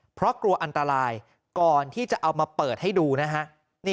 เพราะกลัวอันตรายก่อนที่จะเอามาเปิดให้ดูนะฮะ